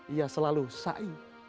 ia selalu sa'i